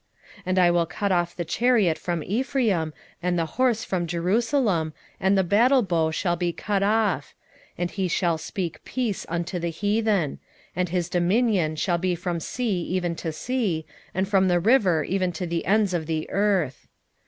9:10 And I will cut off the chariot from Ephraim, and the horse from Jerusalem, and the battle bow shall be cut off: and he shall speak peace unto the heathen: and his dominion shall be from sea even to sea, and from the river even to the ends of the earth.